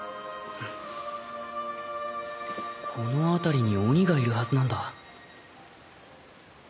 この辺りに鬼がいるはずなんだ。